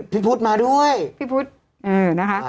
พี่พุทธมาด้วยพี่พุทธนะคะ